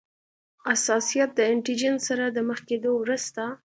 حساسیت د انټي جېن سره د مخ کیدو وروسته.